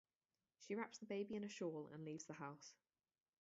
She wraps the baby in a shawl and leaves the house.